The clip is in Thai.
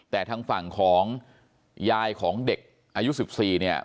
แต่ทางฝั่งของยายของเด็กอายุ๑๔เนี่ย